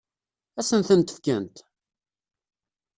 Ad sen-tent-fkent?